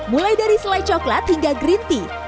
mulai dari selai coklat hingga green tea